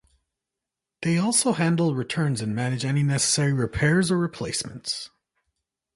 They also handle returns and manage any necessary repairs or replacements.